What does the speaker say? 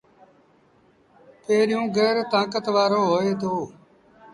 پيريوݩ گير تآݩڪت وآرو هوئي دو۔